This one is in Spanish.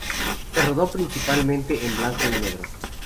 Se rodó principalmente en blanco y negro.